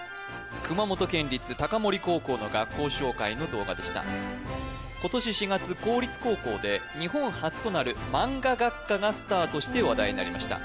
熊本県立高森高校の学校紹介の動画でした今年４月公立高校で日本初となるマンガ学科がスタートして話題になりました